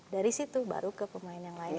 dari situ baru ke pemain yang lain